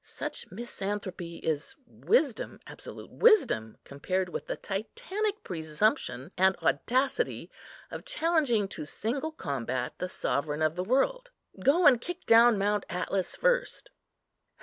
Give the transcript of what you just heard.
Such misanthropy is wisdom, absolute wisdom, compared with the Titanic presumption and audacity of challenging to single combat the sovereign of the world. Go and kick down Mount Atlas first."